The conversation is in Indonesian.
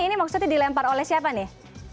ini maksudnya dilempar oleh siapa nih